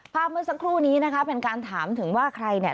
เมื่อสักครู่นี้นะคะเป็นการถามถึงว่าใครเนี่ย